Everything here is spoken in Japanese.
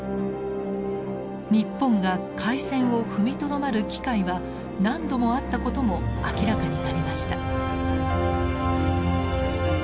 日本が開戦を踏みとどまる機会は何度もあったことも明らかになりました。